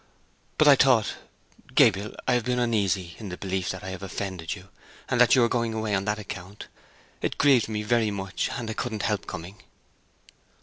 "But I thought—Gabriel, I have been uneasy in the belief that I have offended you, and that you are going away on that account. It grieved me very much and I couldn't help coming."